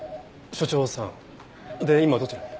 所長さんで今どちらに？